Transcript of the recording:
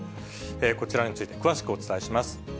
こちらについて、詳しくお伝えします。